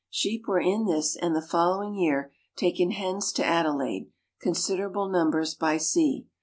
Sheep were in this and the following year taken hence to Adelaide considerable numbers by sea.